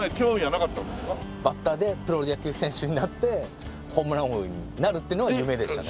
バッターでプロ野球選手になってホームラン王になるっていうのが夢でしたね。